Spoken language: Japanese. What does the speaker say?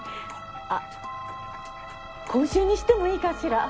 あ今週にしてもいいかしら？